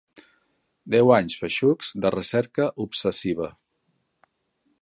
Deu anys feixucs de recerca obsessiva.